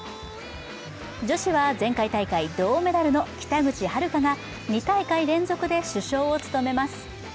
女子は前回大会銅メダルの北口榛花が２大会連続で主将を務めます。